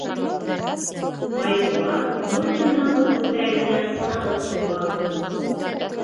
Айбулат Мурзиндың был һүҙҙәренән ҡыҙып ҡуҙғалды: